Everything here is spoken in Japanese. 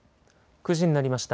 ９時になりました。